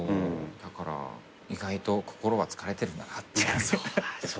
だから意外と心は疲れてるんだなって。